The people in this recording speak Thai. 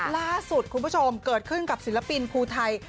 ล่าสุดคุณผู้ชมเกิดขึ้นกับศิลปินภูไทย